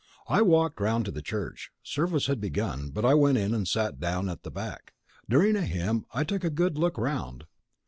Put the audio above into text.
I walked round to the church. Service had begun, but I went in and sat down at the back. During a hymn I took a good look round.